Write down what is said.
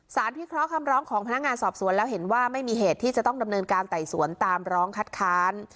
พิเคราะห์คำร้องของพนักงานสอบสวนแล้วเห็นว่าไม่มีเหตุที่จะต้องดำเนินการไต่สวนตามร้องคัดค้าน